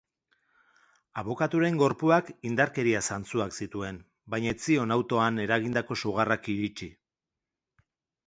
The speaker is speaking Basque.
Abokatuaren gorpuak indarkeria zantzuek zituen, baina ez zion autoan eragindako sugarrak iritsi.